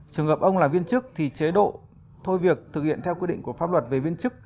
trường hợp ông là viên chức thì chế độ thôi việc thực hiện theo quy định của pháp luật về viên chức